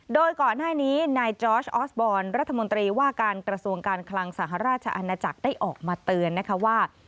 โดยก่อนหน้านี้นายจอร์ชออสบอลรัฐมนตรีว่าการกระทรวงการคลังสหราชอาณาจักรได้ออกมาเตือนนะคะว่า